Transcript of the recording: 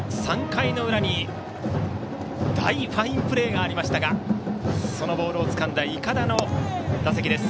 ３回の裏に大ファインプレーがありましたがそのボールをつかんだ筏の打席です。